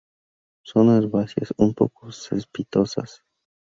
Son herbáceas y un poco cespitosas.